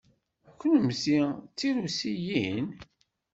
Kennemti d tirusiyin?